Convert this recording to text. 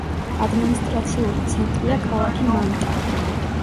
ადმინისტრაციული ცენტრია ქალაქი მანტა.